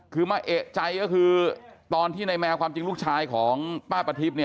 คือมาเอกใจก็คือตอนที่ในแมวความจริงลูกชายของป้าประทิพย์